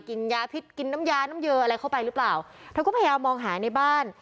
กินยาพิษกินน้ำยาน้ำเยอะอะไรเข้าไปหรือเปล่าเธอก็พยายามมองหาในบ้าน